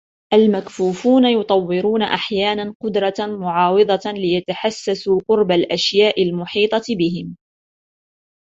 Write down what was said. المكفوفون يطورون احيانا قدرة معاوضة ليتحسسو قرب الأشياء المحيطة بهم.